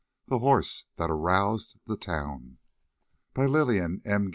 THE HORSE THAT AROUSED THE TOWN By Lillian M.